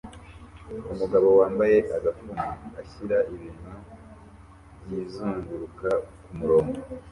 Umugabo wambaye agafuni ashyira ibintu byizunguruka kumurongo